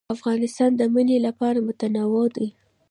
افغانستان د منی له پلوه متنوع دی.